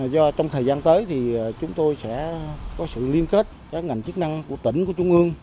do trong thời gian tới thì chúng tôi sẽ có sự liên kết các ngành chức năng của tỉnh của trung ương